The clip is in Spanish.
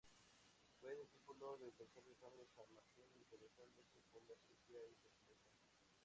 Fue discípulo del doctor Alejandro San Martín, interesándose por la cirugía e investigación.